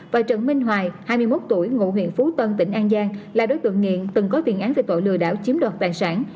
và trần minh hoài hai mươi một tuổi ngụ huyện phú tân tỉnh an giang là đối tượng nghiện từng có tiền án về tội lừa đảo chiếm đoạt tài sản